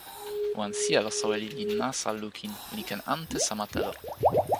wan sijelo soweli li nasa lukin li ken ante sama telo.